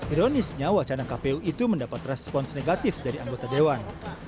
ironisnya wacana kpu itu mendapat respons negatif dari anggota dewan